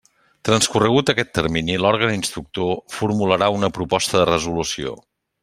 Transcorregut aquest termini, l'òrgan instructor formularà una proposta de resolució.